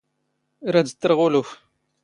ⵔⴰⴷ ⵜⵜⵔⵖ ⵓⵍⵓⴼ.